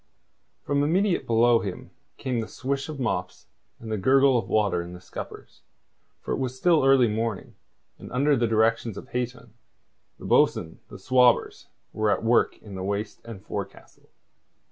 From immediately below him came the swish of mops and the gurgle of water in the scuppers, for it was still early morning, and under the directions of Hayton, the bo'sun, the swabbers were at work in the waist and forecastle.